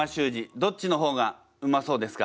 どっちの方がうまそうですか？